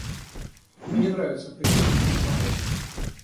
Мне нравится причёска на пробор.